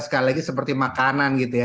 sekali lagi seperti makanan gitu ya